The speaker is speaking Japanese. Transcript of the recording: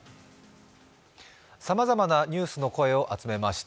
さまざまなニュースの声を集めました。